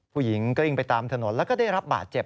ผู้หญิงก็วิ่งไปตามถนนแล้วก็ได้รับบาดเจ็บ